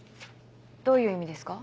どういう意味ですか？